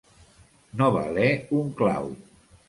No valer un clau.